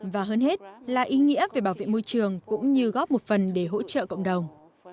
và hơn hết là ý nghĩa về bảo vệ môi trường cũng như góp một phần để hỗ trợ cộng đồng